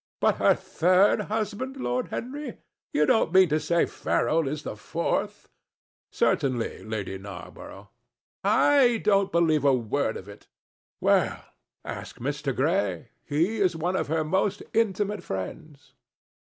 "But her third husband, Lord Henry! You don't mean to say Ferrol is the fourth?" "Certainly, Lady Narborough." "I don't believe a word of it." "Well, ask Mr. Gray. He is one of her most intimate friends."